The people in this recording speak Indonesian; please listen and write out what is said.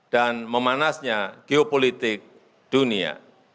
dan memanasnya geopolitik dunia